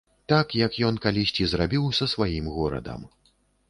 Так, як ён калісьці зрабіў са сваім горадам.